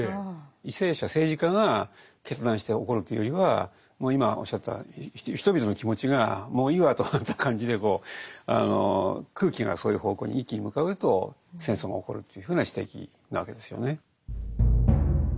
為政者政治家が決断して起こるというよりはもう今おっしゃった人々の気持ちがもういいわとなった感じで空気がそういう方向に一気に向かうと戦争が起こるというふうな指摘なわけですよね。